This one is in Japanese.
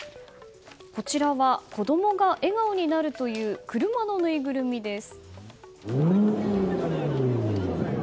こちらは子供が笑顔になるという車のぬいぐるみです。